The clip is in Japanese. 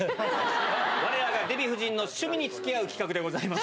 われらがデヴィ夫人の趣味につきあう企画でございます。